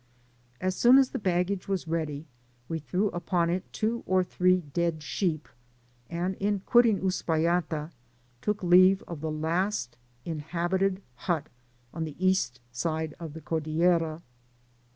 As soon as the bag gage was ready, we threw upon it two or three dead sheep, and, in quitting Uspallata, took leave of the last inhabited hut on the east side of the Cordillera.